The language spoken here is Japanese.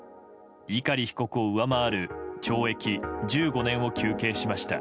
碇被告を上回る懲役１５年を求刑しました。